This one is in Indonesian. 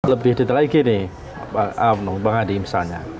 lebih detail lagi nih pak abnong pak hadi misalnya